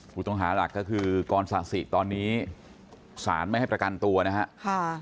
ผู้ต้องหาหลักก็คือกรศาสิตอนนี้สารไม่ให้ประกันตัวนะครับ